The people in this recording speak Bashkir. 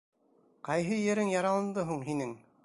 — Ҡайһы ерең яраланды һуң һинең?